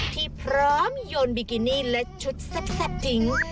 ที่พร้อมโยนบิกินี่และชุดแซ่บทิ้ง